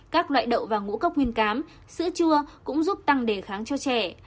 các loại đậu và ngũ cốc nguyên cám sữa chua cũng giúp tăng đề kháng cho trẻ